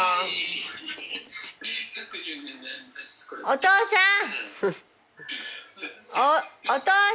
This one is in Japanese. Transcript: お父さん！